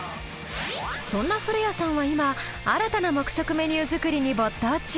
そんな古谷さんは今新たな木食メニュー作りに没頭中。